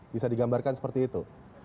bisa digambarkan seperti itu